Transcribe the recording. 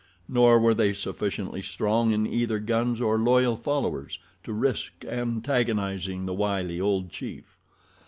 Nor were they sufficiently strong in either guns or loyal followers to risk antagonizing the wily old chief.